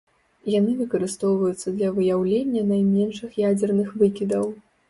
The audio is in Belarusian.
Яны выкарыстоўваюцца для выяўлення найменшых ядзерных выкідаў.